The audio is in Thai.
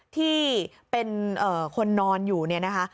ที่เป็นคนนอนอยู่นะคะ